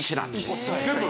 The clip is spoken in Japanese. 全部？